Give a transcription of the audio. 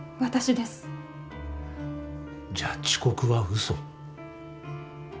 じゃあ遅刻は嘘？